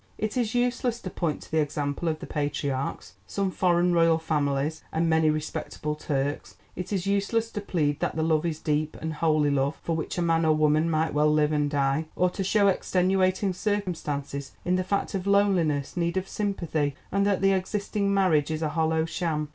It is useless to point to the example of the patriarchs, some foreign royal families, and many respectable Turks; it is useless to plead that the love is deep and holy love, for which a man or woman might well live and die, or to show extenuating circumstances in the fact of loneliness, need of sympathy, and that the existing marriage is a hollow sham.